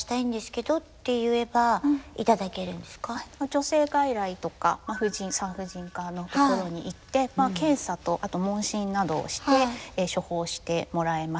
女性外来とか婦人産婦人科のところに行って検査とあと問診などをして処方してもらえます。